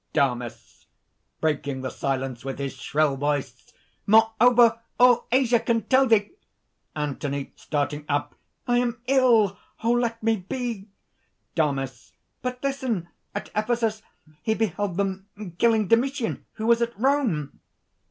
_) DAMIS (breaking the silence with his shrill voice). "Moreover, all Asia can tell thee ..." ANTHONY (starting up). "I am ill! let me be!" DAMIS. "But listen! At Ephesus, he beheld them killing Domitian, who was at Rome."